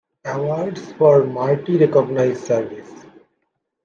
Awards for merit recognize service.